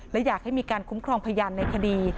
และอยากให้มีการคุ้มครองพยานในคดี